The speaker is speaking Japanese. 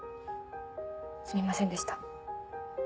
すみませんでした。